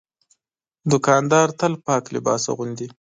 دوکاندار تل پاک لباس اغوندي.